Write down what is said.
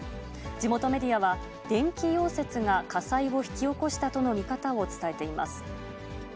地元メディアは、電気溶接が火災を引き起こしたとの見方を伝えています。